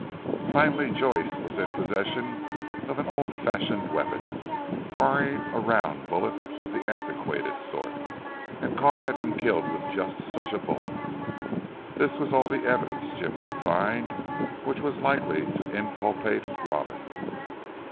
Finally Joyce was in possession of an old fashioned weapon, firing a round bullet of the antiquated sort. And Carr had been killed with just such a bullet. This was all the evidence Jim could find which was likely to inculpate Robin.